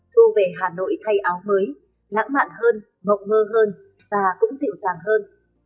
thu về hà nội thay áo mới lãng mạn hơn mộng mơ hơn và cũng dịu dàng hơn